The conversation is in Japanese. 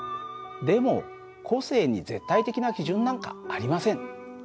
でも個性に絶対的な基準なんかありません。